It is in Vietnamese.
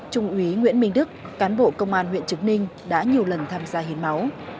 trung úy nguyễn minh đức cán bộ công an huyện trực ninh đã nhiều lần tham gia hiến máu